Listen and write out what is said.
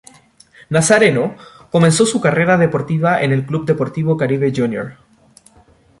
Nazareno comenzó su carrera deportiva en el Club Deportivo Caribe Junior.